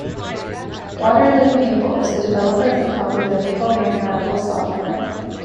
Waterloo Maple is the developer of the popular Maple mathematical software.